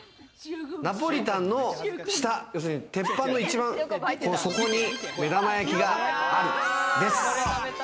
ナポリタンの下、要するに鉄板の一番底に目玉焼きがあるです。